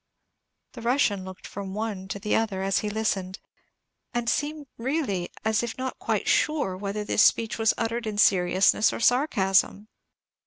The Russian looked from one to the other as he listened, and seemed really as if not quite sure whether this speech was uttered in seriousness or sarcasm.